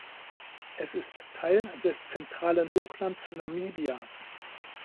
Es ist Teil des „Zentralen Hochlands“ Namibias.